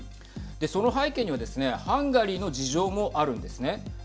その背景にはですねハンガリーの事情もあるんですね。